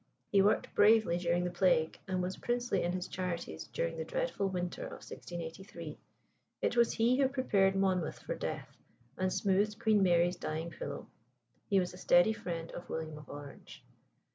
He worked bravely during the plague, and was princely in his charities during the dreadful winter of 1683. It was he who prepared Monmouth for death, and smoothed Queen Mary's dying pillow. He was a steady friend of William of Orange.